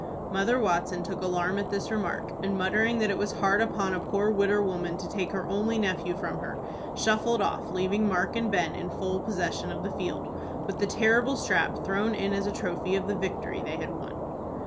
Mother Watson took alarm at this remark, and, muttering that it was hard upon a poor widder woman to take her only nephew from her, shuffled off, leaving Mark and Ben in full possession of the field, with the terrible strap thrown in as a trophy of the victory they had won.